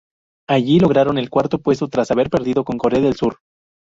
Allí lograron el cuarto puesto, tras haber perdido con Corea del Sur.